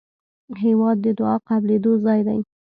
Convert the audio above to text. هېواد د دعا قبلېدو ځای دی.